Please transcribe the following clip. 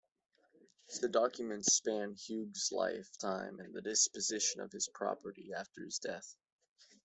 The documents span Hugues' lifetime and the disposition of his property after his death.